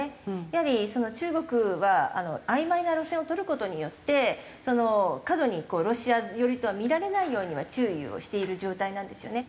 やはり中国はあいまいな路線を取る事によって過度にこうロシア寄りとは見られないようには注意をしている状態なんですよね。